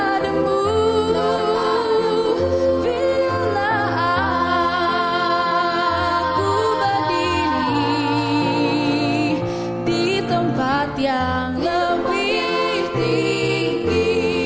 aduh bila aku berdiri di tempat yang lebih tinggi